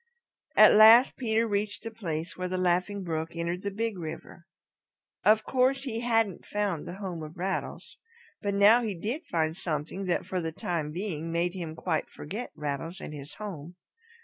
At last Peter reached the place where the Laughing Brook entered the Big River. Of course he hadn't found the home of Rattles. But now he did find something that for the time being made him quite forget Rattles and his home.